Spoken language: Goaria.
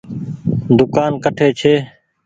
دوڪآن ڪٺي ڇي۔